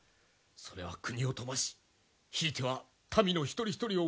それは国を富ましひいては民の一人一人を潤すのだ！